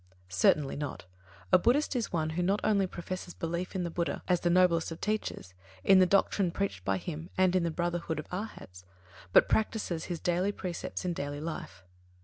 Certainly not. A Buddhist is one who not only professes belief in the Buddha as the noblest of Teachers, in the Doctrine preached by Him, and in the Brotherhood of Arhats, but practises His precepts in daily life.